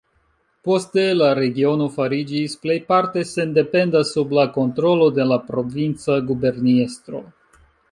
Poste la regiono fariĝis plejparte sendependa sub la kontrolo de la provinca guberniestro.